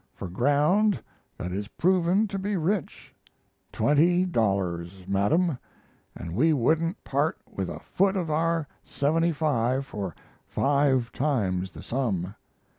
For ground that is proven to be rich. Twenty dollars, Madam and we wouldn't part with a foot of our 75 for five times the sum.